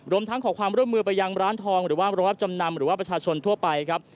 ทั้งขอความร่วมมือไปยังร้านทองหรือว่าโรงรับจำนำหรือว่าประชาชนทั่วไปครับ